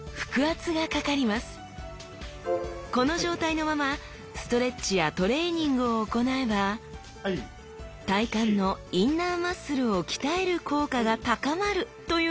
この状態のままストレッチやトレーニングを行えば体幹のインナーマッスルを鍛える効果が高まるというのです！